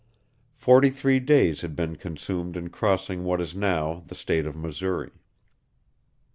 Forty three days had been consumed in crossing what is now the State of Missouri.